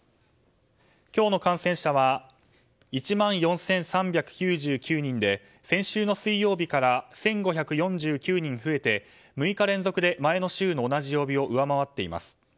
今日の感染者は１万４３９９人で先週の水曜日から１５４９人増えて６日連続で前の週の同じ曜日を上回っています。